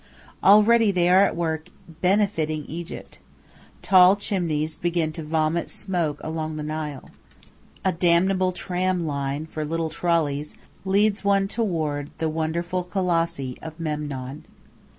Already they are at work "benefiting Egypt." Tall chimneys begin to vomit smoke along the Nile. A damnable tram line for little trolleys leads one toward the wonderful colossi of Memnon.